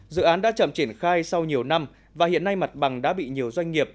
dự án đã chậm triển khai sau nhiều năm và hiện nay mặt bằng đã bị nhiều doanh nghiệp